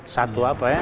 satu apa ya